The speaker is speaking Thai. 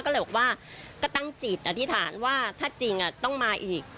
ก็เลยบอกว่าก็ตั้งจิตอธิษฐานว่าถ้าจริงต้องมาอีก